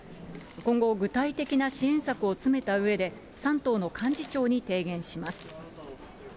今後、具体的な支援策を詰めたうえで、３党の幹事長に提言します。